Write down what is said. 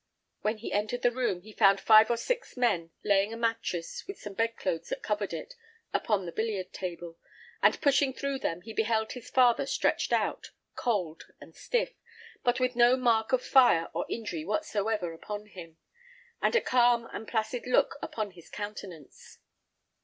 When he entered the room he found five or six men laying a mattress, with some bed clothes that covered it, upon the billiard table, and pushing through them he beheld his father stretched out, cold and stiff, but with no mark of fire or injury whatsoever upon him, and a calm and placid look upon his countenance.